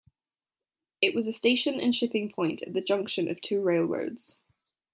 It was a station and shipping point at the junction of two railroads.